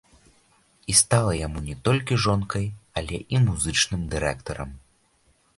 І стала яму не толькі жонкай, але і музычным дырэктарам.